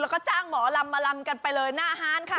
แล้วก็จ้างหมอลำมาลำกันไปเลยหน้าฮานค่ะ